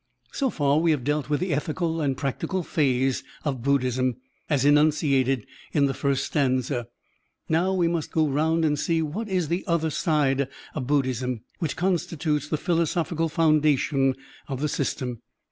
So far we have dealt with the ethical and practical phase of Buddhism as enunciated in the first stanza. Now we must go round and see what is the other side of Buddhism, which con stitutes the philosophical foundation of the system.